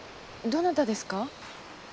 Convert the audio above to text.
どなたですか？